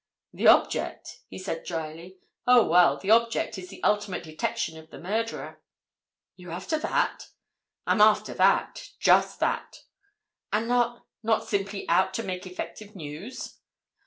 "The object?" he said, drily. "Oh, well, the object is the ultimate detection of the murderer." "You're after that?" "I'm after that—just that." "And not—not simply out to make effective news?"